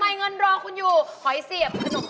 อันนี้ถูกสุด